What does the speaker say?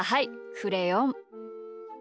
クレヨン。